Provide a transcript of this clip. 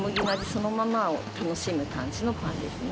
そのままを楽しむ感じのパンですね。